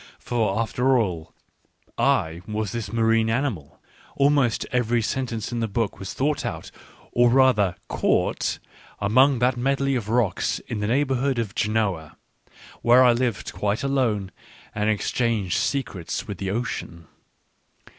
For, after all, I was this marine animal : almost every sen tence in the book was thought out, or rather caught^ among that medley of rocks in the neighbourhood ' of Genoa, where I lived quite alone, and exchanged secrets with the ocean.